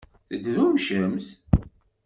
Tedrewcemt?